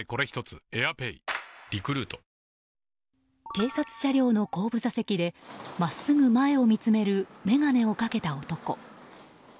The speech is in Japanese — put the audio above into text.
警察車両の後部座席で真っすぐ前を見つめる眼鏡をかけた男。